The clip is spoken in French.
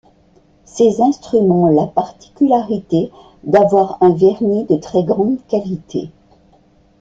Ses instruments ont la particularité d'avoir un vernis de très grande qualité.